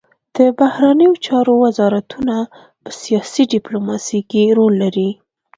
د بهرنیو چارو وزارتونه په سیاسي ډیپلوماسي کې رول لري